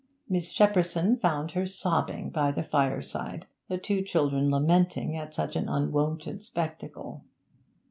Miss Shepperson found her sobbing by the fireside, the two children lamenting at such an unwonted spectacle.